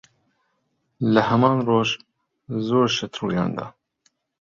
لە هەمان ڕۆژ، زۆر شت ڕوویان دا.